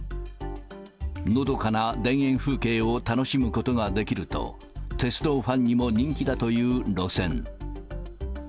のどかな田園風景を楽しむことができると、鉄道ファンにも人気だという路線。